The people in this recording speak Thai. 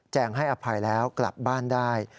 งให้อภัยแล้วกลับบ้านได้